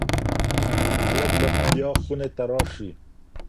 هلک به بیا خونې ته راشي.